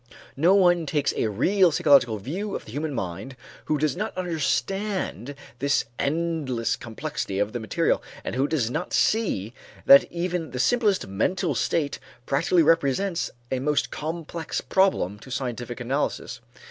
No one takes a real psychological view of the human mind who does not understand this endless complexity of the material, and who does not see that even the simplest mental state practically presents a most complex problem to scientific analysis.